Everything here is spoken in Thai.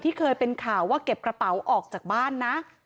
เคยเป็นข่าวว่าเก็บกระเป๋าออกจากบ้านนะ